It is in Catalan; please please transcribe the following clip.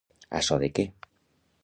A so de què?